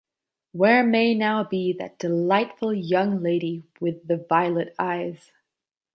Where may now be that delightful young lady with the violet eyes?